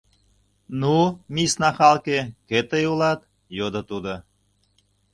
— Ну, мисс Нахалке, кӧ тый улат? — йодо тудо.